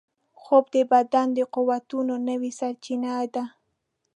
خوب د بدن د قوتونو نوې سرچینه ده